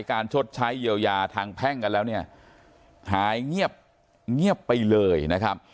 ชดใช้เยียวยาทางแพ่งกันแล้วเนี่ยหายเงียบเงียบไปเลยนะครับ